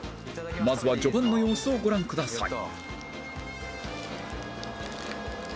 まずは序盤の様子をご覧ください